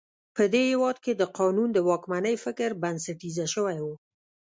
په دې هېواد کې د قانون د واکمنۍ فکر بنسټیزه شوی و.